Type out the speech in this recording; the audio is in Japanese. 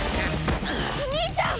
お兄ちゃん！